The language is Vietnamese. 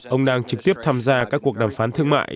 ông đang trực tiếp tham gia các cuộc đàm phán thương mại